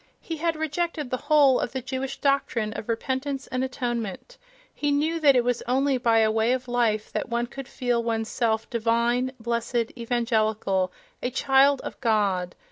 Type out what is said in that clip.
He had rejected the whole of the Jewish doctrine of repentance and atonement; he knew that it was only by a way of life that one could feel one's self "divine," "blessed," "evangelical," a "child of God."